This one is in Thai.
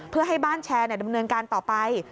เพื่อให้บ้านแชร์ดำเนินการต่อไป